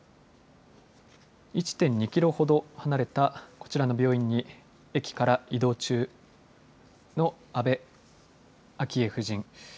１．２キロほど離れたこちらの病院に、駅から移動中の安倍昭恵夫人。